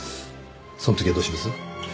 その時はどうします？